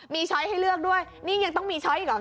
มีช้อยให้เลือกด้วยนี่ยังต้องมีช้อยอีกเหรอ